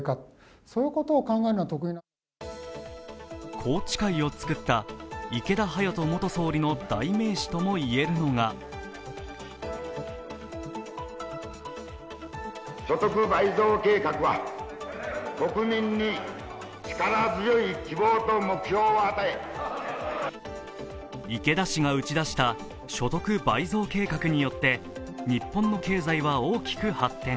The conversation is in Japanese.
宏池会を作った池田勇人元総理の代名詞とも言えるのが池田氏が打ち出した所得倍増計画によって日本の経済は大きく発展。